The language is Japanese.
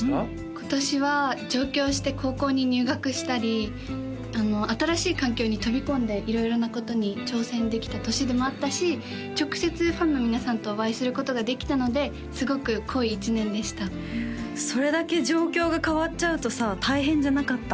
今年は上京して高校に入学したり新しい環境に飛び込んで色々なことに挑戦できた年でもあったし直接ファンの皆さんとお会いすることができたのですごく濃い１年でしたそれだけ状況が変わっちゃうとさ大変じゃなかった？